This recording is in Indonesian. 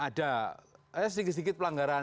ada sedikit sedikit pelanggaran